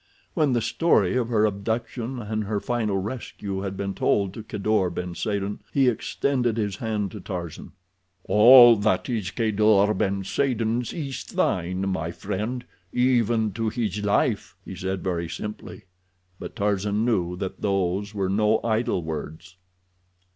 When the story of her abduction and her final rescue had been told to Kadour ben Saden he extended his hand to Tarzan. "All that is Kadour ben Saden's is thine, my friend, even to his life," he said very simply, but Tarzan knew that those were no idle words.